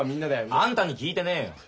あんたに聞いてねえよ。